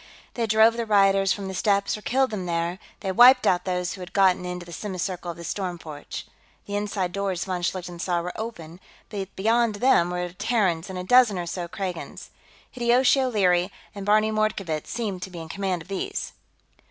They drove the rioters from the steps or killed them there, they wiped out those who had gotten into the semicircle of the storm porch. The inside doors, von Schlichten saw, were open, but beyond them were Terrans and a dozen or so Kragans. Hideyoshi O'Leary and Barney Mordkovitz seemed to be in command of these.